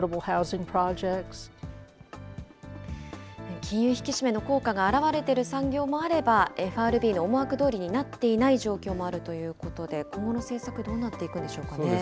金融引き締めの効果が表れてる産業もあれば、ＦＲＢの思惑どおりになっていない状況もあるということで、今後の政策、どうなっていくんでしょうかね。